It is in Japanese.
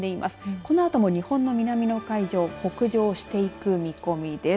このあとも日本の南の海上を北上していく見込みです。